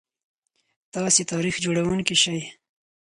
تاسي تاریخ جوړونکي شئ.